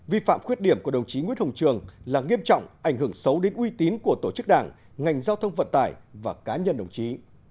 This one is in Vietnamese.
vi phạm khuyết điểm của đồng chí nguyễn hồng trường là nghiêm trọng ảnh hưởng xấu đến uy tín của tổ chức đảng ngành giao thông vận tải và cá nhân đồng chí